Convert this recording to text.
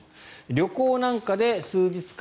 旅行なんかで数日間